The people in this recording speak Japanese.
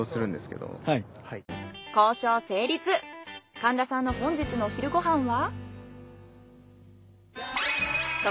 神田さんの本日のお昼ご飯は？